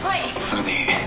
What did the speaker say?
それでいい。